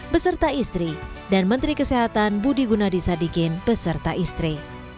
beserta istri dan menteri kesehatan budi gunadisadikin beserta istri